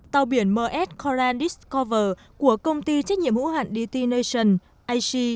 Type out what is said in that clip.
tàu biển m s coral discover của công ty trách nhiệm hữu hạn dt nation ic